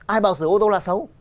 ai bảo sửa ô tô là xấu